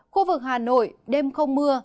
khu vực hà nội đêm không mưa